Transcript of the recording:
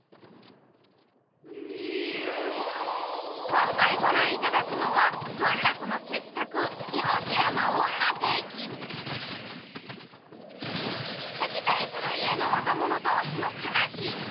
今回ご覧いただくのは文楽の傑作敵対する家の若者同士の悲しい恋。